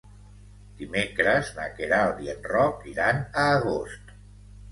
Dimecres na Queralt i en Roc iran a Agost.